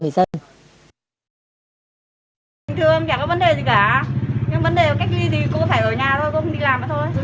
thường thường không có vấn đề gì cả nhưng vấn đề cách ly thì cô phải ở nhà thôi cô không đi làm nữa thôi